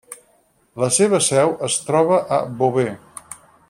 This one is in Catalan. La seva seu es troba a Beauvais.